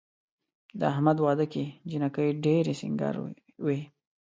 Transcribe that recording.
د احمد واده کې جینکۍ ډېرې سینګار وې.